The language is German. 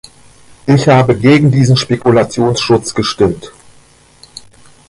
Ich habe gegen diesen Spekulationsschutz gestimmt.